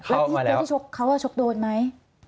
แล้วที่ที่ชกเขาว่าชกโดนมั้ย